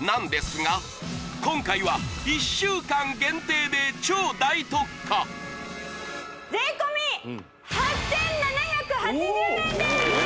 なんですが今回は１週間限定で超大特価！税込８７８０円です！